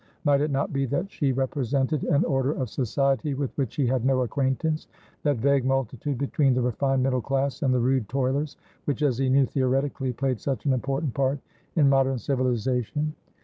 Might it not be that she represented an order of Society with which he had no acquaintance, that vague multitude between the refined middle class and the rude toilers, which, as he knew theoretically, played such an important part in modern civilisation?